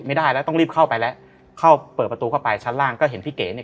ไม่ได้แล้วต้องรีบเข้าไปแล้วเข้าเปิดประตูเข้าไปชั้นล่างก็เห็นพี่เก๋เนี่ย